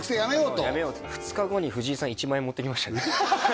もうやめようって２日後に藤井さん１万円持ってきましたね